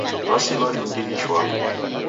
Wasilwa ni ndighi shwaa.